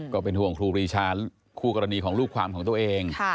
ก็เป็นห่วงครูปรีชาคู่กรณีของลูกความของตัวเอง